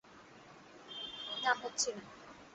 না হচ্ছি না।